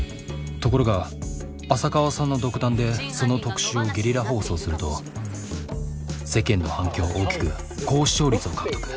ところが浅川さんの独断でその特集をゲリラ放送すると世間の反響は大きく高視聴率を獲得。